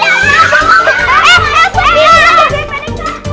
eh apaan ini